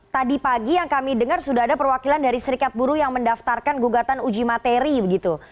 tadi pagi yang kami dengar sudah ada perwakilan dari serikat buruh yang mendaftarkan gugatan uji materi begitu